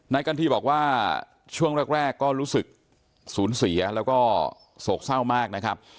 กันทีบอกว่าช่วงแรกก็รู้สึกสูญเสียแล้วก็โศกเศร้ามากนะครับ